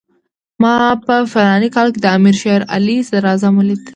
ما په فلاني کال کې د امیر شېر علي صدراعظم ولید.